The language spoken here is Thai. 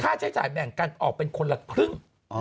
ใช้จ่ายแบ่งกันออกเป็นคนละครึ่ง